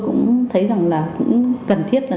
cũng thấy rằng là cũng cần thiết là